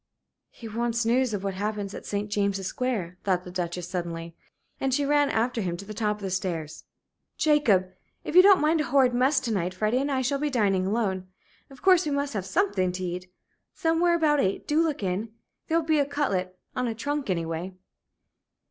"He wants news of what happens at St. James's Square," thought the Duchess, suddenly, and she ran after him to the top of the stairs. "Jacob! If you don't mind a horrid mess to night, Freddie and I shall be dining alone of course we must have something to eat. Somewhere about eight. Do look in. There'll be a cutlet on a trunk anyway."